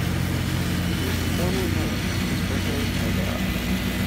He was informally known as Berto Lardera.